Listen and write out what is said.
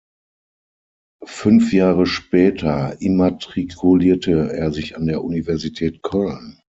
Fünf Jahre später immatrikulierte er sich an der Universität Köln.